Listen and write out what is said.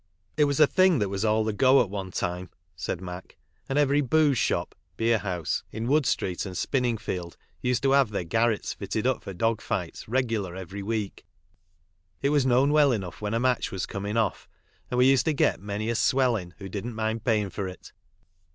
" It was a thing that was all the go at one time," said Mac, "and every booze shop (beerhouse) in Wood street and Spinningfield used to have their f arrets fitted up for dog fights regular every week, t was known well enough when a match was com ing off, and we used to get many a " swell " in who didn't mind paying for it.